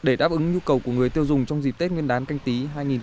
để đáp ứng nhu cầu của người tiêu dùng trong dịp tết nguyên đán canh tí hai nghìn hai mươi